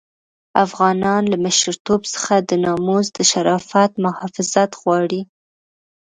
افغانان له مشرتوب څخه د ناموس د شرافت محافظت غواړي.